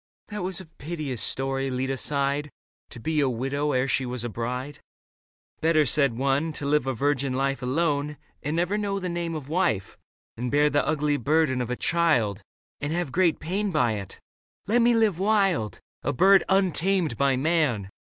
" That was a piteous story," Leda sighed, " To be a widow ere she was a bride." " Better," said one, " to live a virgin life Alone, and never know the name of wife And bear the ugly burden of a child And have great pain by it. Let me live wild, A bird untamed by man